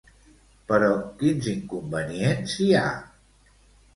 Però quins inconvenients hi ha?